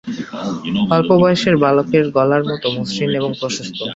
অল্প-বয়সের বালকের গলার মতো মসৃণ এবং প্রশস্ত।